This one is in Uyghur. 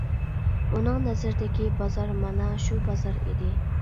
ئۇنىڭ نەزىرىدىكى بازار مانا شۇ بازار ئىدى.